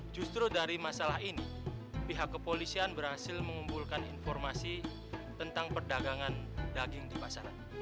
justru dari masalah ini pihak kepolisian berhasil mengumpulkan informasi tentang perdagangan daging di pasaran